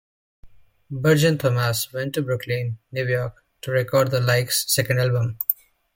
Berg and Thomas went to Brooklyn, New York to record the Like's second album.